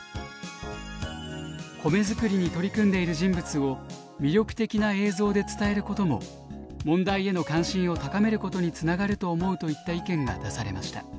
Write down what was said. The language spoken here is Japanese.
「米作りに取り組んでいる人物を魅力的な映像で伝えることも問題への関心を高めることにつながると思う」といった意見が出されました。